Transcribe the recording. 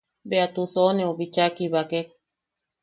Bea Tusoneu bicha kibakek.